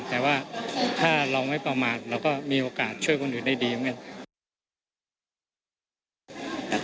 แต่ว่าถ้าเราไม่ประมาทเราก็มีโอกาสช่วยคนอื่นได้ดีเหมือนกัน